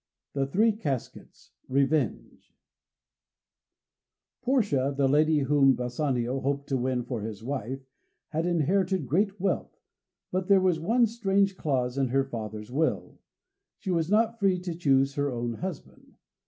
The Three Caskets Portia, the lady whom Bassanio hoped to win for his wife, had inherited great wealth, but there was one strange clause in her father's will. She was not free to choose her own husband.